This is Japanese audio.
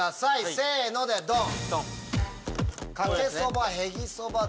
せのでドン！